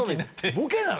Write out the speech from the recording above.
ボケなの？